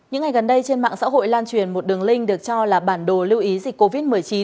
những ngày gần đây trên mạng xã hội lan truyền một đường link được cho là bản đồ lưu ý dịch covid một mươi chín